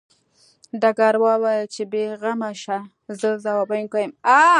ډګروال وویل چې بې غمه شه زه ځواب ویونکی یم